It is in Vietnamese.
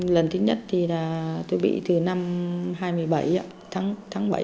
lần thứ nhất thì là tôi bị từ năm hai mươi bảy tháng bảy hai mươi bảy